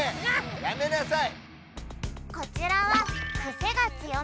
やめなさい！